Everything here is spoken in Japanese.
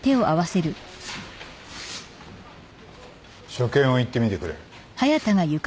所見を言ってみてくれ。